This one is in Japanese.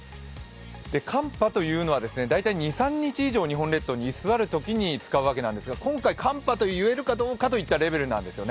寒波というのは大体２３日以上、日本列島に居すわるときに使うわけなんですが、今回寒波と言えるかどうかというレベルなんですね。